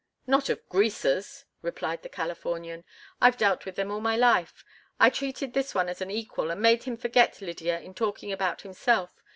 "Not of greasers!" replied the Californian. "I've dealt with them all my life. I treated this one as an equal, and made him forget Lydia in talking about himself.